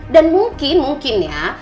dan mungkin mungkin ya